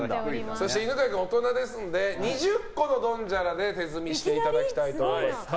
そして、犬飼君は大人ですので２０個のドンジャラで手積みしていただきたいと思います。